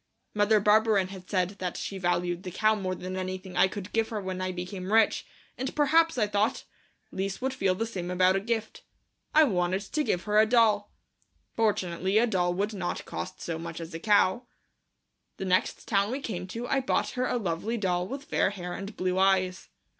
Mother Barberin had said that she valued the cow more than anything I could give her when I became rich, and perhaps, I thought, Lise would feel the same about a gift. I wanted to give her a doll. Fortunately a doll would not cost so much as a cow. The next town we came to I bought her a lovely doll with fair hair and blue eyes.